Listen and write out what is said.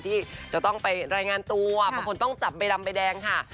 ที่จะต้องไปรายงานตัวบางคนต้องจับใบดำใบแดงค่ะ